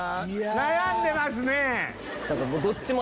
悩んでますね！